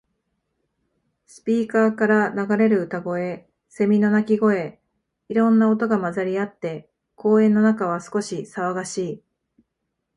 スピーカーから流れる歌声、セミの鳴き声。いろんな音が混ざり合って、公園の中は少し騒がしい。